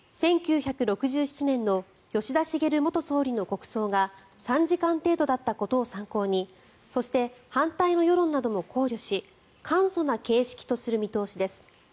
１９６７年の吉田茂元総理の国葬が３時間程度だったことを参考にそして、反対の世論なども考慮し簡素な形式とする見通しです。